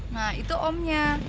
nah itu omnya